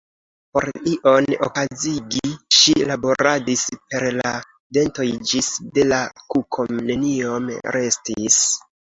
Por ion okazigi, ŝi laboradis per la dentoj ĝis de la kuko neniom restis.